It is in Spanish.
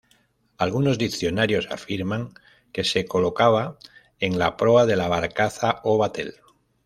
Algunos diccionarios afirman que se colocaba en la proa de la barcaza o batel.